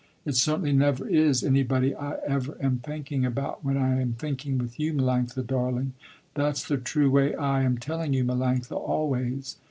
It certainly never is anybody I ever am thinking about when I am thinking with you Melanctha, darling. That's the true way I am telling you Melanctha, always.